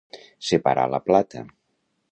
Separar la plata.